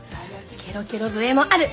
ケロケロ笛もある！